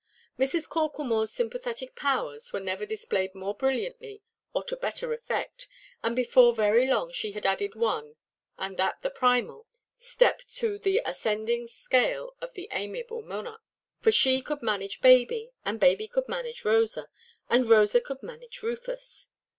Mrs. Corklemoreʼs sympathetic powers were never displayed more brilliantly, or to better effect; and before very long she had added one, and that the primal, step to the ascending scale of the amiable monarch. For she could manage baby, and baby could manage Rosa, and Rosa could manage Rufus.